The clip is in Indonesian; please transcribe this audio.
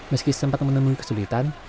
meski sempat menemui kesulitan